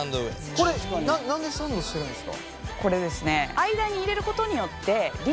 これ何でサンドしてるんですか？